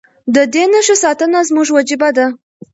د دې نښې ساتنه زموږ وجیبه ده.